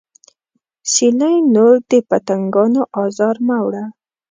سیلۍ نور د پتنګانو ازار مه وړه